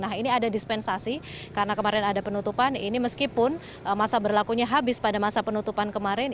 nah ini ada dispensasi karena kemarin ada penutupan ini meskipun masa berlakunya habis pada masa penutupan kemarin